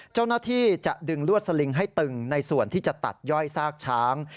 เจ้าหน้าที่จะดึงลวดสลิงให้ตึงในส่วนที่จะตัดย่อยซากช้าง